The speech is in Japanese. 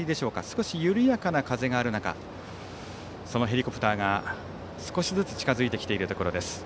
少し緩やかな風がある中そのヘリコプターが少しずつ近づいてきているところです。